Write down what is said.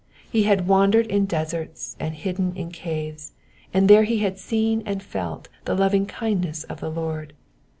He had wandered in deserts and hidden in caves, and there he had seen and felt the lovingkindness of the Lord.